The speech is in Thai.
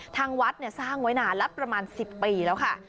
ทางวัดสร้างไว้นานละประมาณ๑๐ปีแล้วค่ะ